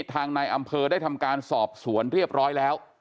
ทางนายอำเภอได้ทำการสอบสวนเรียบร้อยแล้ว